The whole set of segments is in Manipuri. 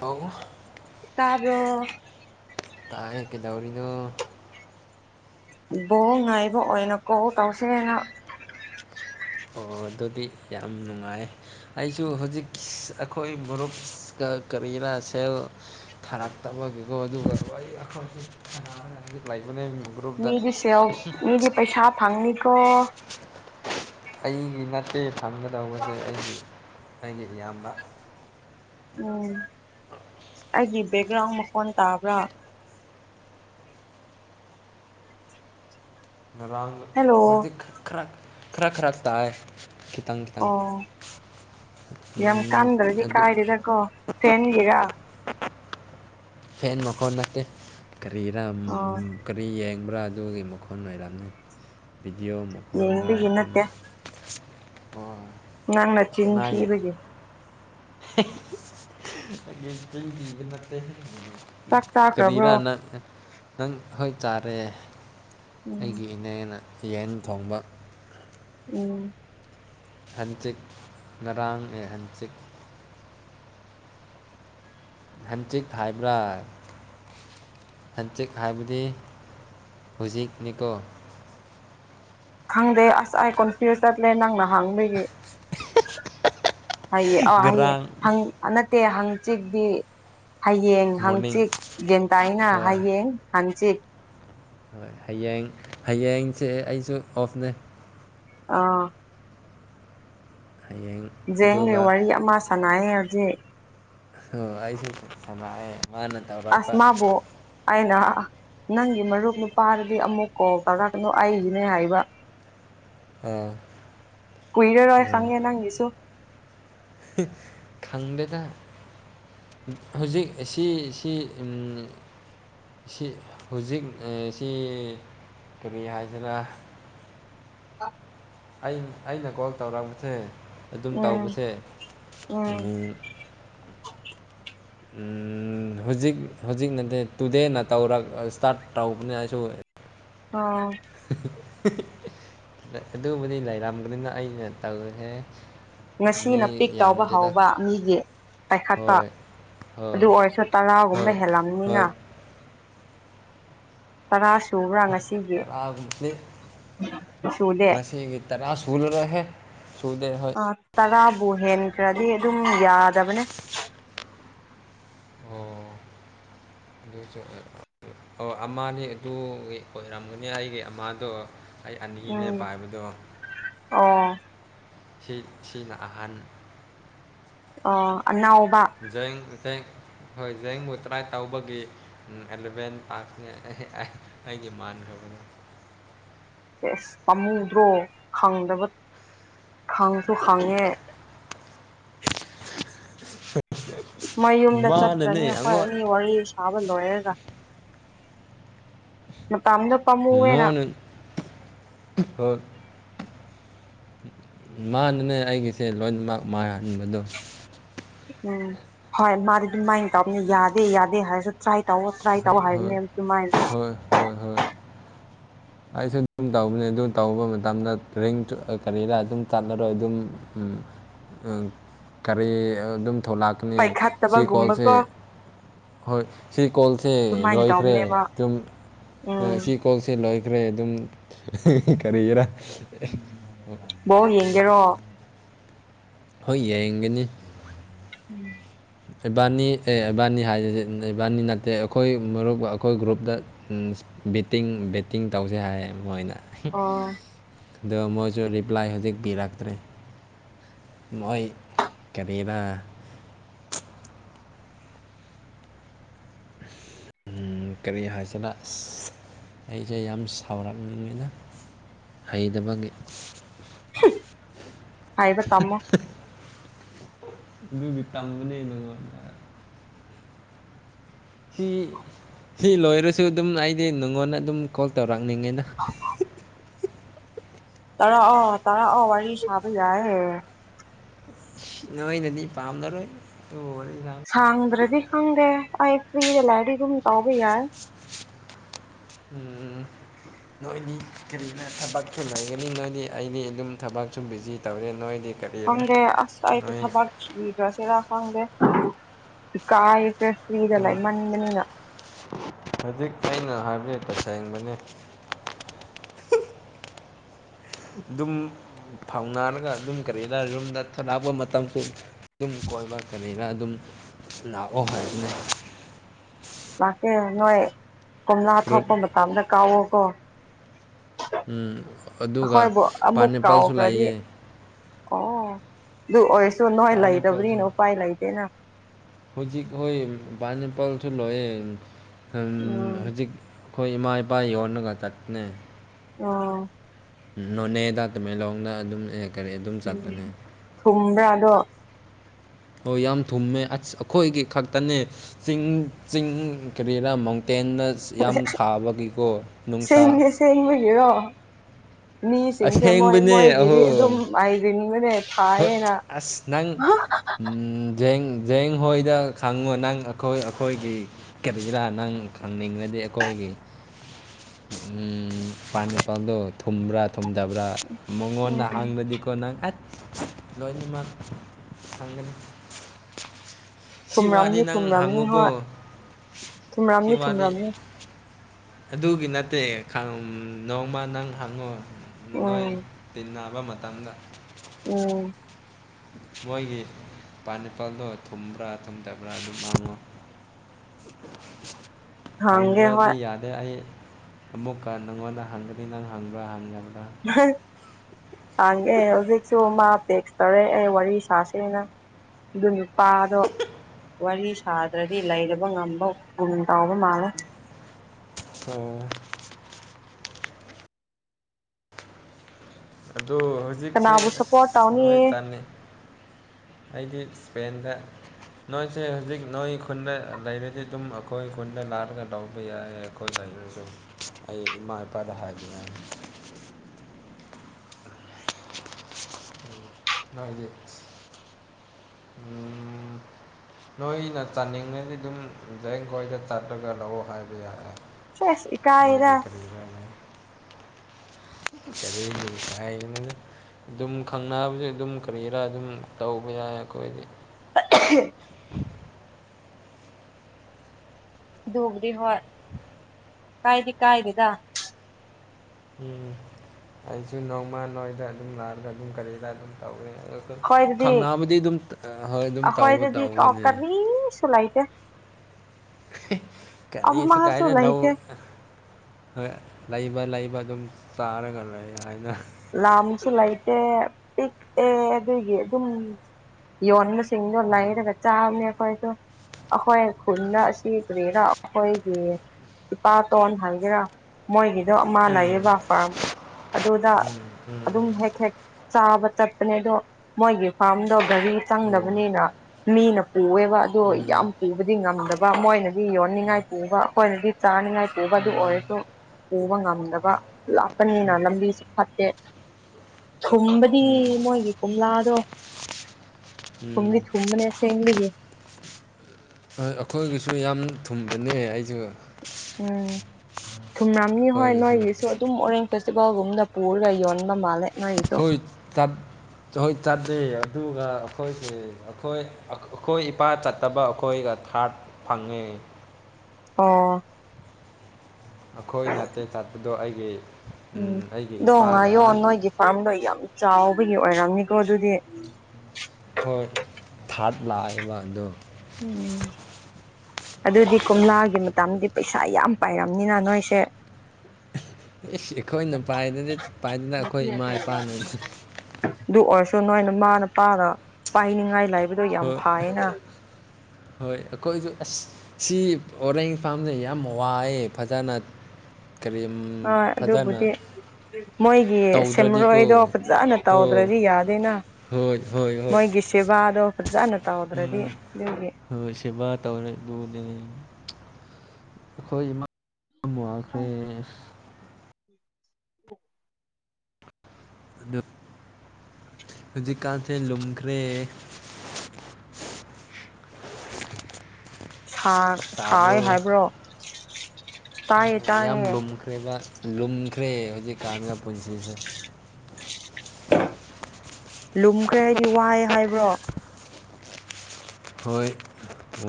ꯑ [unintelligible] ꯇꯥꯕ꯭ꯔꯣ꯫ ꯇꯥꯏ ꯀꯩꯗꯧꯔꯤꯅꯣ꯫ ꯕꯣꯜ ꯉꯥꯏꯕ ꯑꯣꯏꯅ ꯀꯣꯛ ꯀꯣꯛ ꯇꯧꯁꯤꯅ꯫ ꯑꯣ ꯑꯗꯨꯗꯤ ꯌꯥꯝ ꯅꯨꯡꯉꯥꯏ꯫ ꯑꯩꯁꯨ ꯍꯧꯖꯤꯛ ꯑꯩꯈꯣꯏ ꯃꯔꯨꯞꯁꯀ ꯀꯔꯤꯅ ꯁꯦꯜ꯫ ꯊꯥꯔꯛꯇꯕꯒꯤꯀꯣ ꯑꯗꯨꯒ ꯂꯩꯕꯅꯦ꯫ ꯒ꯭ꯔꯨꯞꯇ ꯃꯤꯗꯤ ꯁꯑꯣ ꯃꯤꯗꯤ ꯄꯩꯁꯥ ꯐꯪꯅꯤꯀꯣ꯫ ꯑꯩꯒꯤ ꯅꯠꯇꯦ ꯐꯟꯒꯗꯧꯕꯁꯦ ꯑꯩꯒꯤ ꯑꯩꯒꯤ ꯏꯌꯥꯝꯕ꯫ ꯎꯝ꯫ ꯑ [unintelligible] ꯑꯩꯒꯤ ꯕꯦꯛꯒ꯭ꯔꯥꯎꯟ ꯃꯈꯣꯟ ꯇꯥꯕ꯭ꯔꯥ꯫ ꯉꯔꯥꯡ ꯍꯦꯜꯂꯣ ꯍꯧꯖꯤꯛ ꯈꯔ ꯈꯔ ꯈꯔ ꯇꯥꯏ꯫ ꯈꯤꯇꯪ ꯈꯤꯇꯪ ꯑꯣ ꯌꯥꯝ ꯎꯝ ꯀꯥꯟꯗ꯭ꯔꯗꯤ ꯑꯗꯨ ꯀꯥꯏꯗꯦꯗꯀꯣ ꯇꯦꯟꯒꯦꯔ꯫ ꯐꯦꯟ ꯃꯈꯣꯟ ꯅꯠꯇꯦ ꯀꯔꯤꯔ ꯑꯣ ꯀꯔꯤꯌ‌ꯦ ꯀꯝꯕ꯭ꯔꯥ ꯑꯗꯨꯒꯤ ꯃꯈꯣꯟ ꯃꯔꯝꯅꯤ ꯚꯤꯗꯤꯑꯣ [unintelligible] ꯃꯈꯣꯟꯒ ꯌꯦꯡꯕꯒꯤ ꯑꯗꯨꯝ ꯅꯠꯇꯦ ꯑꯣ ꯅꯪ ꯅ ꯆꯤꯟꯊꯤꯕꯒꯤ ꯑꯩ ꯀꯤꯕ ꯅꯠꯇꯦ ꯆꯥꯛ [unintelligible] ꯆꯥꯈ꯭ꯔꯕ꯭ꯔꯣ ꯀꯔꯤꯔ ꯅꯠ ꯅꯠ ꯅꯪ ꯍꯣꯏ ꯆꯥꯔꯦ ꯎꯝ ꯑꯩꯒꯤ ꯏꯅ‌ꯦꯅ ꯌꯦꯟ ꯊꯣꯡꯕ ꯎꯝ꯫ ꯍꯟꯆꯤꯛ ꯉꯔꯥꯡ ꯑꯦ ꯍꯟꯆꯤꯛ꯫ ꯍꯟꯇꯤꯠ ꯍꯥꯏꯕ꯭ꯔꯥ꯫ ꯍꯟꯆꯤꯛ ꯍꯥꯏꯕꯗꯤ ꯍꯧꯖꯤꯛꯅꯤꯀꯣ꯫ ꯍꯪꯗꯦ ꯑꯁ ꯑꯥꯏ ꯀꯣꯟꯐ꯭ꯌꯁ ꯆꯠꯂꯦ ꯅꯪꯅ ꯍꯥꯡꯕꯒꯤ꯫ [inaudible] ꯍꯥꯏꯌꯦ ꯑ ꯍꯥꯏꯌꯦ ꯉꯔꯥꯡ ꯍꯪ꯫ ꯅꯠꯇꯦ ꯍꯥꯡꯆꯤꯛꯇꯗꯤ ꯍꯌꯦꯡ ꯃꯣꯔꯅꯤꯡ ꯍꯥꯡꯆꯤꯛ ꯒꯦꯟ ꯇꯥꯏꯅ ꯍꯣꯏ ꯍꯌꯦꯡ꯫ ꯍꯥꯡꯖꯤ ꯍꯣꯏ ꯍꯌꯦꯡ ꯍꯌꯦꯡꯁꯦ ꯑꯩꯁꯨ ꯑꯣꯐꯅꯦ꯫ ꯑꯥ ꯍꯌꯦꯡ ꯀꯤꯖꯩꯍ‌ꯦ ꯑꯗꯨꯒ ꯋꯥꯔꯤ ꯑꯃ ꯁꯥꯟꯅꯩꯌꯦ ꯍꯧꯖꯤꯛ ꯍ ꯑꯩꯁꯨ ꯃꯥꯅ [unintelligible] ꯑꯁ ꯃꯕꯨ ꯑꯩꯅ ꯅꯪꯒꯤ ꯃꯔꯨꯞ ꯅꯨꯄꯥꯗꯨꯗꯤ ꯑꯃꯨꯛ ꯀꯣꯜ ꯀꯧꯔꯛꯀꯅꯨ ꯑꯩꯒꯤꯅꯦ ꯍꯥꯏꯕ [inaudible] ꯑꯥ ꯀꯨꯏꯔꯔꯣꯏ ꯑꯣ ꯍꯪꯉꯦ ꯅꯪꯒꯤꯁꯨ ꯈꯪꯗꯦꯗ ꯍꯧꯖꯤꯛ ꯑꯁꯤꯁꯤ ꯎꯝ ꯁꯤ ꯍꯧꯖꯤꯛ ꯁꯤ ꯀꯔꯤ ꯍꯥꯏꯁꯤꯔꯥ ꯑ [unintelligible] ꯑꯩ ꯑꯩꯅ ꯀꯣꯜ ꯇꯧꯔꯛꯄꯁꯦ ꯑꯗꯨꯝ ꯎꯝ ꯇꯧꯕꯁꯦ ꯎꯝ ꯎꯝ ꯍꯧꯖꯤꯛ ꯍꯧꯖꯤꯛꯅꯗꯤ‌ ꯇꯨꯗꯦꯅ ꯇꯧꯔꯒ ꯏꯁꯇꯥꯔꯠ ꯇꯧꯕꯅꯤ ꯑꯩꯁꯨ ꯑꯣ ꯑꯗꯨꯕꯨꯗꯤ ꯂꯩꯔꯝꯕꯅꯤꯅ ꯑꯩꯅ ꯇꯧꯋꯤꯍ‌ꯦ ꯉꯁꯤꯅ ꯄꯤꯛ ꯇꯥꯎꯕ ꯍꯥꯎꯕ ꯃꯤꯒꯤ ꯄꯥꯏꯈꯠꯄ ꯍꯣꯏ ꯍꯣꯏ ꯑꯗꯨ ꯑꯣꯏꯔꯁꯨ ꯇꯔꯥꯒꯨꯝꯕ ꯍꯣꯏ ꯍꯦꯜꯂꯝꯅꯤꯅ ꯍꯣꯏ ꯇꯔꯥ ꯁꯨꯕ꯭ꯔꯥ ꯉꯁꯤꯒꯤ ꯇꯔꯥꯕꯨꯛꯇꯤ ꯁꯨꯗꯦ ꯉꯁꯤꯒꯤ ꯇꯔꯥ ꯁꯨꯔꯨꯅꯨꯍ‌ꯦ ꯁꯨꯗꯦ ꯑꯈꫭꯏ ꯇꯔꯥꯕꯨ ꯍꯦꯟꯈ꯭ꯔꯗꯤ ꯑꯗꯨꯝ ꯌꯥꯗꯕꯅꯦ [unintelligible] ꯖꯂꯦ [unintelligible] ꯑꯣ ꯑꯃꯅꯦ ꯑꯗꯨꯒꯤ ꯑꯣꯏꯔꯝꯒꯅꯤ ꯑꯩꯒꯤ ꯑꯃꯗꯣ ꯑꯩ ꯑꯅꯤꯅꯦ ꯎꯝ ꯄꯥꯏꯕꯗꯣ ꯑꯣ ꯁꯤ ꯁꯤꯅ ꯑꯍꯟ ꯑ ꯑꯅꯥꯎꯕ [unintelligible] ꯇꯧꯕꯒꯤ ꯑꯦꯂꯚꯦꯟ ꯄꯥꯁꯅꯦ ꯑꯩꯒꯤ ꯃꯥꯟꯈ꯭ꯔꯕꯅꯤ ꯁꯦ ꯑꯁ ꯄꯥꯝꯃꯨꯗ꯭ꯔꯣ ꯈꯪꯗꯕ ꯈꯪꯁꯨ ꯈꯪꯉꯦ [unintelligible] ꯃꯌꯨꯝꯗ ꯃꯥꯅꯅꯦ ꯆꯠꯇ꯭ꯔꯅꯤ ꯑꯩꯈꯣꯏ ꯑꯉꯣꯟ ꯑꯅꯤ ꯋꯥꯔꯤ ꯁꯥꯕ ꯂꯣꯏꯔꯒ ꯃꯇꯝꯗꯣ ꯄꯥꯝꯃꯨꯑꯦꯅ [unintelligible] ꯃꯥꯅꯅꯦ ꯑꯩꯒꯤꯁꯦ ꯂꯣꯏꯅꯃꯛ ꯃꯍꯟꯕꯗꯣ ꯎꯝ ꯍꯣꯏ ꯃꯥꯗꯤ ꯑꯗꯨꯝ ꯃꯥꯏꯅ ꯇꯧꯅꯤ ꯌꯥꯗꯦ ꯌꯥꯗꯦ ꯍꯥꯏꯔꯁꯨ ꯇ꯭ꯔꯥꯏ ꯇꯧꯑꯣ ꯇ꯭ꯔꯥꯏ ꯇꯧꯑꯣ ꯍꯣꯏ ꯍꯥꯏꯕꯅꯦꯕ ꯑꯗꯨꯃꯥꯏꯅ ꯍꯣꯏ ꯍꯣꯏ ꯍꯣꯏ ꯑꯩꯁꯨ ꯑꯗꯨꯝ ꯇꯧꯕꯅꯦ ꯑꯗꯨ ꯇꯧꯕ ꯃꯇꯝꯗꯔꯤꯡ ꯀꯔꯤꯗ ꯑꯗꯨꯝ ꯆꯠꯂꯔꯣꯏ ꯑꯗꯨꯝ ꯀꯔꯤ ꯑꯗꯨꯝ ꯊꯣꯛꯂꯛꯀꯅꯤ ꯁꯤ ꯀꯣꯜꯁꯦ ꯄꯥꯏꯈꯠꯇꯕꯒꯨꯝꯕꯀꯣ ꯍꯣꯏ ꯁꯤ ꯀꯣꯜꯁꯦ ꯑꯗꯨꯃꯥꯏꯅ ꯂꯣꯏꯈ꯭ꯔꯦ ꯇꯧꯕꯅꯦꯕ ꯑꯗꯨꯝ ꯍꯣꯏ ꯎꯝ ꯁꯤ ꯀꯣꯜꯁꯨ ꯂꯣꯏꯈ꯭ꯔꯦ ꯑꯗꯨꯝ ꯀꯔꯤꯒꯤꯔꯥ꯫ ꯃꯋ‌ꫭꯡ ꯌꯦꯡꯒꯦꯔꯣ ꯍꯣꯏ ꯌꯦꯡꯒꯅꯤ ꯎꯝ [unintelligible] ꯏꯕꯥꯅꯤ ꯑꯦ ꯏꯕꯥꯅꯤ ꯍꯥꯏꯁꯤꯅꯤ ꯏꯕꯥꯅꯤ ꯅꯠꯇꯦ ꯑꯩꯈꯣꯏ ꯃꯔꯨꯞ ꯑꯩꯈꯣꯏ ꯒ꯭ꯔꯨꯞꯇ ꯕꯤꯠꯇꯤꯡ ꯕꯦꯠꯇꯤꯡ ꯇꯧꯁꯦ ꯍꯥꯏ ꯃꯣꯏꯅ ꯑꯣ ꯑꯗꯣꯒ ꯃꯣꯏꯁꯨ ꯔꯤꯄ꯭ꯂꯥꯏ ꯍꯧꯖꯤꯛ ꯄꯤꯔꯛꯇ꯭ꯔꯦ ꯃꯣꯏ ꯀꯔꯤꯔꯥ ꯎꯝ ꯀꯔꯤ ꯍꯥꯏꯁꯤꯔꯥ ꯑꯁ ꯑꯩꯁꯦ ꯌꯥꯝ ꯁꯥꯎꯔꯛꯅꯤꯡꯉꯤꯗ ꯍꯩꯩꯅꯕꯒꯤ ꯍꯩꯏꯕ ꯇꯝꯃꫭ ꯕꯤ ꯇꯒꯅꯦ ꯅꯉ ꯁꯤ ꯁꯤ ꯂꯣꯏꯔꯁꯨ ꯑꯗꯨꯝ ꯑꯩꯗꯤ ꯅꯉꯣꯟꯗ ꯑꯗꯨꯝ ꯀꯣꯜ ꯇꯧꯔꯛꯅꯤꯡꯉꯦꯅ ꯇꯔ ꯑ ꯇꯔꯥ ꯑ ꯋꯥꯔꯤ ꯋꯥꯔꯤ ꯁꯥꯕꯩ ꯌꯥꯦ ꯅꯣꯏꯅꯗꯤ ꯄꯥꯝꯅꯔꯣꯏ ꯑꯗꯨ ꯍ ꯂꯥꯛ ꯁꯥꯡꯗ꯭ꯔꯗꯤ ꯈꯪꯗꯦ ꯑꯩ ꯐ꯭ꯔꯤꯗ ꯂꯥꯏꯗꯤꯒꯝ ꯇꯥꯎꯕ ꯌꯥꯏ ꯎꯝ ꯅꯣꯏꯗꯤ ꯀꯔꯤꯅ ꯊꯕꯛꯁꯨ ꯂꯩꯒꯅꯤ ꯅꯣꯏꯗꯤ ꯑꯩꯗꯤ ꯑꯗꯨꯝ ꯊꯕꯛ ꯁꯨꯝ ꯕꯤꯖꯤ ꯇꯧꯔꯦ ꯅꯣꯏꯗꯤ ꯀꯔꯤꯔ ꯈꯪꯗꯦ ꯑꯁ ꯑꯨ ꯅꯣꯏ ꯊꯕ ꯁꯤꯗ꯭ꯔꯁꯤꯦꯔꯥ ꯈꯪꯗꯦ ꯏ ꯀꯥꯏꯈ꯭ꯔꯦ ꯐ꯭ꯔꯤꯗ ꯑꯗꯨꯝ ꯂꯩꯃꯟꯕꯅꯤꯅ ꯍꯧꯖꯤꯛ ꯑꯩꯅ ꯍꯥꯏꯕꯤ ꯇ ꯁꯦꯡꯕꯅꯦ ꯑꯗꯨꯝ ꯐꯥꯎꯅꯔꯒ ꯑꯗꯨꯝ ꯀꯔꯤꯗ ꯌꯨꯝꯗ ꯊꯂꯛꯄ ꯃꯇꯝꯁꯨ ꯑꯗꯨꯝ ꯀꯣꯏꯕ ꯀꯔꯤꯔ ꯑꯗꯨꯝ ꯂꯥꯛꯑꯣ ꯍꯥꯏꯕꯅꯦ ꯂꯥꯛꯀꯦ ꯅꯣꯏ ꯀꯣꯝꯂꯥ ꯐ꯭ꯔꯨꯠ ꯊꯣꯛꯄ ꯃꯇꯝꯗ ꯀꯥꯎꯋꯀꯣ ꯎꯝ ꯑꯗꯨꯒ ꯑꯃꯨꯛ ꯄꯥꯟꯅꯦꯄꯥꯜꯁꯨ ꯀꯥꯎꯈ꯭ꯔꯗꯤ ꯂꯩꯌꯦ ꯑꯣ ꯑꯗꯨ ꯑꯣꯏꯔꯁꯨ ꯅꯣꯏ ꯄꯥꯏꯅꯦꯄꯜꯁꯨ ꯂꯩꯕꯅꯤꯅ ꯎꯄꯥꯏ ꯂꯩꯇꯦꯅ ꯍꯧꯖꯤꯛ ꯍꯣꯏ ꯄꯥꯏꯅꯦꯄꯜꯁꯨ ꯂꯣꯏꯌꯦꯦ ꯎꯝ ꯍꯧꯖꯤꯛ ꯑꯩꯈꯣꯏ ꯏꯃꯥ ꯏꯄꯥ ꯌꯣꯟꯂꯒ ꯆꯠꯅ ꯑꯣ ꯅꯣꯅꯦꯗ ꯇꯃꯦꯡꯂꯣꯡꯗ ꯑꯗꯨꯝ ꯑꯦ ꯀꯔꯤ ꯑꯗꯨꯝ ꯎꯝ ꯆꯠꯄꯅꯦ ꯊꯨꯝꯕ꯭ꯔꯥ ꯑꯗꯣ ꯍꯣꯏ ꯌꯥꯝ ꯊꯨꯝꯃꯦ ꯑꯁ ꯑꯩꯈꯣꯏꯒꯤ ꯈꯛꯇꯅꯦ ꯆꯤꯡ ꯆꯤꯡ ꯀꯔꯤꯔꯥ ꯃꯥꯎꯟꯇꯦꯗ ꯌꯥꯝ ꯁꯥꯕꯒꯤꯀꯣ ꯅꯨꯡꯁꯥ ꯁꯦꯝꯦꯡꯕꯒꯤꯔꯣ ꯃꯤꯁꯤꯡꯁꯦ ꯃꯣꯏ ꯑꯁꯦꯡꯕꯅꯦ ꯃꯣꯏꯒꯤꯗꯤ ꯑꯗꯨꯝ ꯑꯍꯣꯝ ꯍꯥꯏꯗꯅꯤꯡꯕꯅꯦ ꯍꯣꯏ ꯑꯁ ꯅꯪ ꯎ ꯖꯦꯟ ꯖꯦꯡ ꯍꯣꯏꯗ ꯈꯪꯉꯣ ꯅꯪ ꯑꯩꯈꯣꯏ ꯑꯩꯈꯣꯏꯒꯤ ꯀꯔꯤꯒꯤꯔꯥ ꯅꯪ ꯍꯪꯅꯤꯡꯉꯗꯤ ꯑꯩꯈꯣꯏꯒꯤ ꯄꯥꯟ ꯃꯄꯥꯜꯗꯣ ꯊꯨꯝꯕ꯭ꯔꯥ ꯊꯨꯝꯗꯕ꯭ꯔꯥ ꯃꯉꯣꯟꯗ ꯎꯝ ꯍꯪꯉꯗꯤꯀꯣ ꯅꯪ ꯑꯠ ꯂꯣꯏꯅꯃꯛ ꯈꯪꯒꯅꯤ ꯁꯤ ꯋꯥꯗꯤ ꯊꯨꯝꯔꯝꯅꯤ ꯅꯪ ꯊꯨꯝꯔꯝꯅꯤ ꯍꯣꯏ ꯍꯪꯉꯨꯀꯣ ꯁꯤ ꯊꯨꯝꯔꯝꯅꯤ ꯋꯥꯗꯤ ꯊꯨꯝꯔꯝꯅꯤ ꯑꯗꯨꯒꯤ ꯅꯠꯇꯦ ꯅꯣꯡꯃ ꯅꯪ ꯍꯪꯉꯨ ꯅꯣꯏ ꯎꯝ ꯇꯤꯟꯅꯕ ꯃꯇꯝꯗ ꯎꯝ ꯃꯣꯏꯒꯤ ꯄꯥꯏꯟꯅꯦꯄꯜꯗꯣ ꯊꯨꯝꯕ꯭ꯔꯥ ꯊꯨꯝꯗꯕ꯭ꯔꯥ ꯑꯗꯨꯝ ꯍꯪꯉꯣ ꯍꯪꯒꯦ ꯍꯪꯗ꯭ꯔꯗꯤ ꯍꯣꯏ ꯌꯥꯗꯦ ꯑꯩ ꯑꯃꯨꯛꯀ ꯅꯪꯉꯣꯟꯗ ꯍꯪꯉꯗꯤ ꯅꯪ ꯍꯪꯕ꯭ꯔꯥ ꯍꯪꯗꯕ꯭ꯔꯥ ꯍꯥꯡꯑꯦ ꯍꯧꯖꯤꯛꯁꯨ ꯃꯥ ꯇꯦꯛꯁ ꯇꯧꯔꯛꯑꯦ ꯑꯩ ꯋꯥꯔꯤ ꯁꯥꯁꯦꯅ ꯑꯗꯨ ꯅꯨꯄꯥꯗꯣ ꯋꯥꯔꯤ ꯁꯥꯗ꯭ꯔꯗꯤ ꯂꯩꯔꯕ ꯉꯝꯗꯕ ꯒꯨꯝ ꯇꯥꯎꯕ ꯃꯥꯜꯂꯦ [unintelligible] ꯑꯗꯨ ꯍꯧꯖꯤꯛꯁꯦ ꯀꯅꯥꯕꯨ ꯁꯞꯄꯣꯔꯠ ꯑꯁ ꯇꯧꯅꯤ ꯅꯣꯏ ꯇꯥꯅꯩ ꯑꯩꯗꯤ ꯏꯁꯄꯦꯟꯗ ꯅꯣꯏꯁꯦ ꯍꯧꯖꯤꯛ ꯅꯣꯏ ꯈꯨꯟꯗ ꯂꯩꯔꯗꯤ ꯑꯗꯨꯝ ꯑꯩꯈꯣꯏ ꯈꯨꯟꯗ ꯂꯥꯂꯒ ꯂꯧꯕ ꯌꯥꯏ [unintelligible] ꯑꯩ ꯏꯃꯥ ꯏꯄꯥꯗ ꯍꯥꯏꯒꯉ ꯅꯨꯏꯗꯤ [inaudible] ꯅꯣꯏꯅ ꯆꯥꯅꯤꯡꯉꯗꯤ ꯑꯗꯨꯝ ꯖꯦꯡ ꯈꯣꯏꯗ ꯆꯠꯂꯒ ꯂꯥꯛꯎ ꯍꯥꯏꯕ ꯌꯥꯔꯦ ꯁꯦꯁ ꯀꯥꯏꯔ [unintelligible] ꯑꯗꯨꯝ ꯈꯪꯅꯕꯁꯨ ꯑꯗꯨꯝ ꯀꯔꯤꯔꯥ ꯑꯗꯨꯝ ꯇꯧꯕ ꯌꯥꯏ ꯑꯩꯈꯣꯏꯗꯤ [inaudible] [inaudible] ꯑꯗꯨꯕꯨꯗꯤ ꯍꯣꯏ ꯀꯥꯏꯗꯤ ꯀꯥꯏꯗꯦꯗ ꯎꯝ ꯑꯩꯁꯨ ꯅꯣꯡꯃ ꯅꯣꯏꯗ ꯑꯗꯨꯝ ꯂꯥꯛꯑꯒ ꯑꯗꯨꯝ ꯀꯂꯦꯖꯥ ꯑꯗꯨꯝ ꯇꯧꯋꯦ ꯑꯩꯈꯣꯏꯗꯗꯤ ꯈꯧꯅꯥꯕꯗꯤ ꯑꯗꯨꯝ ꯍꯣꯏ ꯑꯗꯨꯝ ꯇꯧꯕ ꯑꯩꯈꯣꯏꯗꯗꯤ ꯇꯧꯕꯅꯦ [unintelligible] ꯀꯔꯤꯁꯨ ꯑꯃꯁꯨ ꯀꯥꯏꯗꯦ ꯂꯧ ꯂꯩꯇꯦ ꯍꯣꯏ ꯂꯩꯕ ꯂꯩꯕ ꯑꯗꯨꯝ ꯇꯥꯔꯒ ꯂꯩ ꯍꯥꯏꯅ ꯂꯥꯝꯁꯨ ꯂꯩꯇꯦ ꯄꯤꯛꯇꯦ ꯑꯗꯨꯒꯤ ꯑꯗꯨꯝ ꯌꯣꯟꯒꯁꯨ ꯁꯤꯡꯗꯣ ꯂꯩꯩꯔꯒ ꯆꯥꯕꯅꯦ ꯑꯈꯣꯏꯗꯣ ꯑꯩꯈꯣꯏ ꯈꯨꯟꯗ ꯑꯁꯤ ꯀꯔꯤꯔꯥ ꯑꯈꯣꯏꯒꯤ ꯏꯄꯥꯇꯣꯟ ꯍꯥꯏꯒꯦꯔꯥ ꯃꯣꯏꯒꯤ ꯑꯗꯣ ꯑꯃꯥ ꯎꯝ ꯂꯩꯌꯦꯕ ꯐꯥꯝ ꯑꯗꯨꯗ ꯎꯝ ꯎꯝ ꯑꯗꯨꯝ ꯍꯦꯛ ꯍꯦꯛ ꯆꯥꯕ ꯆꯠꯄꯅꯦ ꯑꯗꯣ ꯃꯣꯏꯒꯤ ꯐꯥꯝꯗꯣ ꯒꯥꯔꯤ ꯎꯝ ꯆꯪꯗꯕꯅꯤꯅ ꯃꯤꯅ ꯄꯨꯋꯦꯕ ꯑꯗꯣ ꯎꯝ ꯌꯥꯝ ꯄꯨꯕꯗꯤ ꯉꯝꯗ- ꯕ ꯃꯣꯏꯅꯗꯤ ꯌꯣꯟꯅꯤꯡꯉꯥꯏ ꯄꯨꯕ ꯑꯩꯈꯣꯏꯅꯗꯤ ꯆꯥꯅꯤꯡꯉꯥꯏ ꯄꯨꯕ ꯑꯗꯨ ꯎꯝ ꯑꯣꯏꯔꯁꯨ ꯄꯨꯕ ꯉꯝꯗꯕ ꯂꯥꯞꯄꯅꯤꯅ ꯎꯝ ꯂꯝꯕꯤꯁꯨ ꯐꯠꯇꯦ ꯊꯨꯝꯕꯗꯤ ꯎꯝ ꯃꯣꯏꯒꯤ ꯀꯣꯝꯂꯥꯗꯣ ꯎꯝ ꯊꯨꯝꯗꯤ ꯊꯨꯝꯕꯅꯦ ꯑꯁꯦꯡꯕꯒꯤ ꯍꯣꯏ ꯑꯩꯈꯣꯏꯒꯤꯁꯨ ꯌꯥꯝ ꯊꯨꯝꯕꯅꯦ ꯑꯩꯁꯨ ꯎꯝ ꯊꯨꯝꯔꯝꯅꯤ ꯍꯣꯏ ꯑꯩꯈꯣꯏꯒꯤꯁꯨ ꯅꯣꯏꯒꯤꯁꯨ ꯑꯗꯨꯝ ꯎꯏ ꯐꯦꯁꯇꯤꯚꯦꯜꯒꯨꯝꯕꯗ ꯄꯨꯔꯒ ꯌꯣꯟꯕ ꯃꯥꯜꯂꯦ ꯅꯣꯏꯒꯤ [unintelligible] ꯆꯣꯏ ꯆꯥꯠꯂꯦ ꯑꯗꯨꯒ ꯑꯈꯣꯏꯒꯤ ꯑꯈꯣꯏ ꯑꯈꯣꯏ ꯏꯄꯥ ꯆꯠ ꯇꯕ ꯑꯩꯈꯣꯏꯒ ꯊꯥꯔꯠ ꯐꯪꯉꯦ ꯑꯣ ꯑꯈꯣꯏ ꯅꯠꯇꯦ ꯆꯠꯄꯗꯣ ꯑꯩꯒꯤ ꯎꯝ ꯑꯩꯒꯤ ꯑꯗꯣ ꯏꯄꯥꯒ ꯉꯥꯏꯌꯣ ꯅꯣꯏꯒꯤ ꯐꯥꯔꯝꯗꯣ ꯌꯥꯝ ꯆꯥꯎꯕꯒꯤ ꯑꯣꯏꯔꯝꯅꯤꯀꯣ ꯑꯗꯨꯗꯤ ꯍꯣꯏ ꯊꯥꯠ ꯂꯥꯛꯑꯦꯕ ꯑꯗꯣ ꯎꯝ ꯑꯗꯨꯗꯤ ꯀꯣꯝꯂꯥꯒꯤ ꯃꯇꯗꯤ ꯄꯩꯁꯥ ꯌꯥꯝ ꯄꯥꯏꯔꯝꯅꯤꯅ ꯅꯣꯏꯁꯦ ꯢꯁ ꯑꯈꯣꯏꯅꯄꯥꯥꯏꯗꯗꯤ ꯄꯥꯏꯗꯅ ꯑꯈꯣꯏ ꯏꯃꯥ ꯏꯄꯥꯅ ꯑꯗꯨ ꯑꯣꯏꯔꯁꯨ ꯅꯣꯏꯅ ꯃꯥꯅ ꯄꯥꯅ ꯄꯥꯅꯤꯡꯉꯥꯏ ꯂꯥꯏꯕꯗꯣ ꯌꯥꯝ ꯍꯣꯏ ꯐꯌꯦꯅ ꯍꯣꯏ ꯑꯩꯈꯣꯏꯁꯨ ꯑꯁ ꯁꯤ ꯑꯣꯔꯦꯟ ꯐꯥꯝꯁꯦ ꯌꯥꯝ ꯋꯥꯏꯑꯦ ꯐꯖꯅ ꯀꯔꯤꯝ ꯍꯣꯏ ꯐꯖꯅ ꯑꯗꯨꯕꯨꯗꯤ ꯃꯣꯏꯒꯤ ꯁꯦꯝꯔꯣꯏꯗꯣ ꯇꯧꯗ꯭ꯔꯗꯤꯀꯣ ꯐꯖꯅ ꯍꯣꯏ ꯇꯧꯗ꯭ꯔꯗꯤ ꯌꯥꯗꯦꯅ ꯍꯣꯏ ꯍꯣꯏ ꯍꯣꯏ ꯃꯣꯏꯒꯤ ꯁꯦꯕꯥꯗꯣ ꯐꯖꯅ ꯇꯧꯗ꯭ꯔꯗꯤ ꯑꯗꯨꯒꯤ ꯑꯣꯏ ꯁꯦꯕꯥ ꯇꯧꯔꯦꯕꯨꯗꯤ ꯑꯩꯈꯣꯏ ꯏꯃꯥ ꯗꯨꯝ ꯋꯥꯈ꯭ꯔꯦ ꯑꯗꯨ ꯍꯧꯖꯤꯛꯀꯥꯟꯁꯦ ꯂꯨꯝꯈ꯭ꯔꯦ ꯁꯥ ꯁꯥꯏꯌꯦ ꯍꯥꯌꯋꯦ ꯇꯥꯕ꯭ꯔꯣ ꯍꯥꯏꯕ꯭ꯔꯣ ꯇꯥꯏꯌꯦ ꯌꯥꯝ ꯇꯥꯏꯌꯦ ꯂꯨꯝꯈ꯭ꯔꯦꯕ ꯂꯨꯝꯈ꯭ꯔꯦ ꯍꯧꯖꯤꯛꯀꯥꯟꯒꯥ ꯄꯨꯟꯁꯤꯁꯦ [unintelligible] ꯂꯨꯝꯈ꯭ꯔꯦ ꯍꯥꯏꯗꯤ ꯋꯥꯏ ꯍꯥꯏꯕ꯭ꯔꯣ ꯍꯣꯏ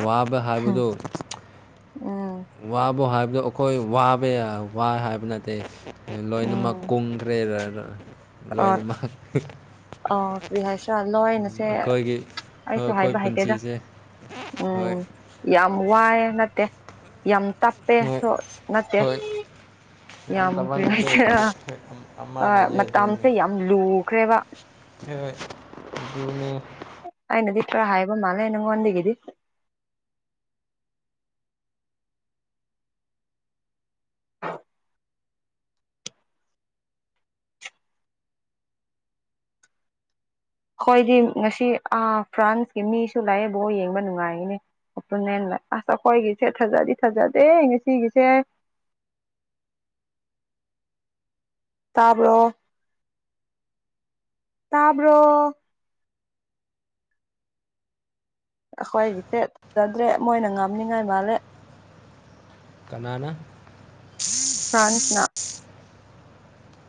ꯋꯥꯕ ꯍꯥꯏꯕꯗꯣ ꯎꯝ ꯋꯥꯕꯨ ꯍꯥꯏꯕꯗꯣ ꯑꯩꯈꯣꯏ ꯋꯥꯕ ꯌꯥ ꯋꯥ ꯍꯥꯏꯕ ꯅꯠꯇꯦ ꯂꯣꯏꯅꯃꯛ ꯎꯝ ꯀꯨꯝꯈ꯭ꯔꯦꯔꯥꯔꯥ ꯑ ꯂꯣꯏꯅꯃꯛ ꯑ ꯀꯔꯤ ꯍꯥꯏꯁꯤꯔꯥ ꯎꯝ ꯂꯣꯏꯅꯁꯦ ꯑꯈꯣꯏꯒꯤ ꯑꯩꯁꯨ ꯑꯈꯣꯏ ꯍꯥꯏꯕ ꯍꯩꯇꯦꯗ ꯄꯨꯟꯁꯤꯁꯦ ꯍꯣꯏ ꯎꯝ ꯌꯥꯝ ꯋꯥꯏꯑꯦ ꯅꯠꯇꯦ ꯌꯥꯝ ꯇꯞꯄꯦ ꯍꯣꯏ ꯅꯠꯇꯦ ꯍꯣꯏ ꯌꯥꯝ ꯇꯥꯃꯟꯈ꯭ꯔꯦ ꯀ꯭ꯔꯤꯍꯥꯏꯒꯦꯔ ꯀꯔꯤ ꯍꯣꯏ ꯑꯃ ꯂꯩꯌꯦ ꯃꯇꯝꯁꯦ ꯌꯥꯝ ꯂꯨꯈ꯭ꯔꯦꯕ ꯑꯗꯨꯅ ꯑꯩꯅꯗꯤꯛꯄ꯭ꯔ ꯍꯥꯏꯕ ꯃꯥꯂꯦ ꯅꯪ ꯋꯥꯗꯒꯦꯗꯤ ꯑ ꯍꯣꯏꯗꯤ ꯉꯁꯤ ꯑ ꯐ꯭ꯔꯥꯟꯁꯀꯤ ꯃꯤꯁꯨ ꯂꯥꯛꯑꯦꯕꯣ ꯌꯦꯡꯕ ꯅꯨꯡꯉꯥꯏꯅꯤ ꯅꯦꯅ ꯂꯩ ꯑꯁ ꯑꯩꯈꯣꯏꯒꯤꯁꯦ ꯊꯥꯖꯗꯤ ꯊꯥꯖꯗꯦ ꯉ ꯁꯤꯒꯤꯁꯦ ꯇꯥꯕ꯭ꯔꯣ ꯇꯥꯕ꯭ꯔꯣ ꯑꯩꯈꯣꯏꯒꯤꯁꯦ ꯐꯖꯗ꯭ꯔꯦ ꯃꯣꯏꯅ ꯉꯝꯅꯤꯉꯥꯏ ꯃꯥꯜꯂꯦ ꯀꯅꯥꯅ ꯐ꯭ꯔꯥꯟꯁꯅ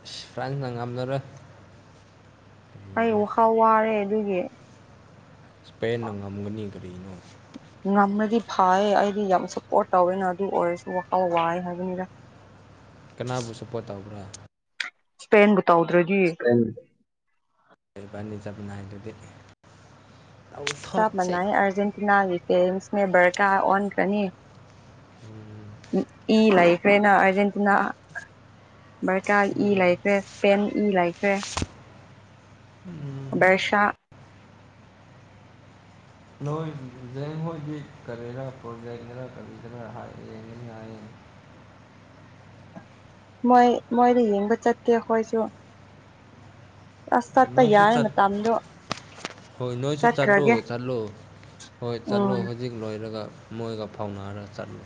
ꯐ꯭ꯔꯥꯟꯁꯅ ꯉꯥꯝꯂꯔꯣꯏ ꯑꯩ ꯋꯥꯈꯥꯎ ꯋꯥꯔꯦ ꯑꯗꯨꯒꯤ ꯄꯦꯟꯅ ꯉꯝꯒꯅꯤ ꯀꯔꯤꯅꯣ ꯉꯝꯅꯗꯤ ꯐꯌꯦ ꯑꯩꯗꯤ ꯌꯥꯝ ꯁꯞꯄꯣꯔꯠ ꯇꯧꯋꯦꯅ ꯑꯗꯨ ꯑꯣꯏꯔꯁꯨ ꯋꯥꯈꯥꯎ ꯋꯥꯏ ꯍꯥꯏꯕꯅꯤꯗ ꯀꯅꯥꯕꯨ ꯁꯄꯣꯠ ꯇꯧꯕ꯭ꯔꯥ ꯏꯁꯄꯦꯟꯕꯨ ꯇꯧꯗ꯭ꯔꯗꯤ ꯏꯕꯥꯟ ꯅꯤ ꯑꯗꯨꯗꯤ ꯁꯥꯞ ꯃꯅꯥꯏ ꯑꯔꯖꯦꯟꯇꯤꯅꯥꯒꯤꯀꯦꯝꯁꯅꯦ ꯔꯀꯥ ꯑꯣꯟ ꯀꯅꯤ ꯏ ꯂꯩꯥꯏꯈ꯭ꯔꯦꯅ ꯑꯔꯖꯦꯟꯇꯤꯅꯥ ꯑꯃꯦꯔꯤꯀꯥ ꯏ ꯎꯝ ꯂꯩꯈ꯭ꯔꯦ ꯏꯁꯄꯦꯟ ꯏ ꯂꯩꯈ꯭ꯔꯦ ꯎꯝ ꯕꯩꯁꯥ ꯅꯣꯏ ꯖ ꯍꯣꯏꯒꯤ ꯀꯔꯦꯔꯥ ꯄ꯭ꯔꯣꯖꯦꯛꯗꯔꯥ ꯀꯕꯤꯁꯅꯔ ꯍꯥꯏ ꯌꯦꯡꯒꯅꯤ ꯍꯥꯏꯌꯦ ꯃꯣꯏ ꯃꯣꯏꯗ ꯌꯦꯡꯕ ꯆꯠꯀꯦ ꯑꯩꯈꯣꯏꯁꯨ ꯑꯁ ꯇꯠꯄ ꯅꯣꯏꯁꯨ ꯌꯥꯔꯦ ꯆꯠ ꯃꯇꯝꯗꯣ ꯍꯣꯏ ꯅꯣꯏꯁꯨ ꯆꯠꯂꯣ ꯆꯠꯈ꯭ꯔꯒꯦ ꯆꯠꯂꯣ ꯍꯣꯏ ꯆꯠꯂꯣ ꯎꯝ ꯍꯧꯖꯤꯛ ꯂꯣꯏꯔꯒ ꯃꯣꯏꯒ ꯐꯥꯎꯅꯔ ꯆꯠꯂꯨ